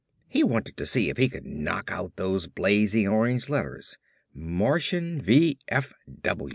He wanted to see if he could knock out those blazing orange letters: MARTIAN V.